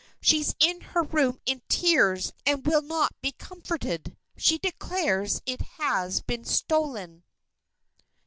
She's in her room in tears and will not be comforted. She declares it has been stolen."